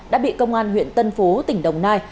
đã bị công an huyện tân phú tỉnh đồng nai